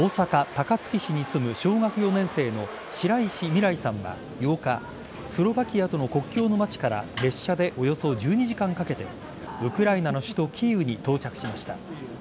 高槻市に住む小学４年生の白石望莱さんは８日スロバキアとの国境の街から列車でおよそ１２時間かけてウクライナの首都・キーウに到着しました。